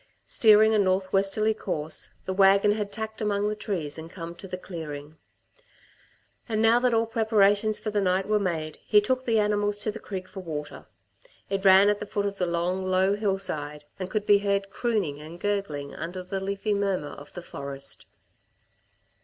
Steering a north westerly course, the wagon had tacked among the trees and come to the clearing. And now that all preparations for the night were made, he took the animals to the creek for water. It ran at the foot of the long, low hillside and could be heard crooning and gurgling under the leafy murmur of the forest.